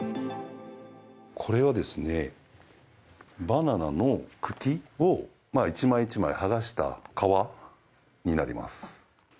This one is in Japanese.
これはですね、バナナの茎を一枚一枚剥がした皮になります。